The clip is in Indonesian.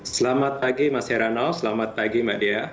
selamat pagi mas herano selamat pagi mbak dea